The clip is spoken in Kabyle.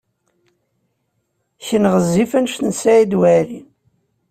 Ken ɣezzif anect n Saɛid Waɛli.